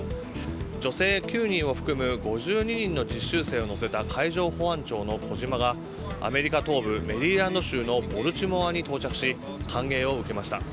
女性９人を含む５２人の実習生を乗せた海上保安庁の「こじま」がアメリカ東部メリーランド州のボルティモアに到着し歓迎を受けました。